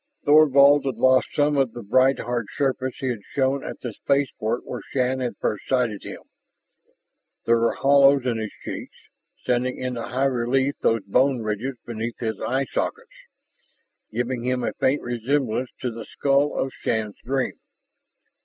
Thorvald had lost some of the bright hard surface he had shown at the spaceport where Shann had first sighted him. There were hollows in his cheeks, sending into high relief those bone ridges beneath his eye sockets, giving him a faint resemblance to the skull of Shann's dream.